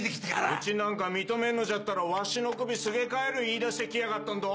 うちなんか認めんのじゃったらわしの首すげ替える言いだして来やがったんど！